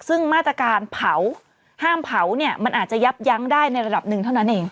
ซึ่งมาตรการเผาห้ามเผาเนี่ยมันอาจจะยับยั้งได้ในระดับหนึ่งเท่านั้นเอง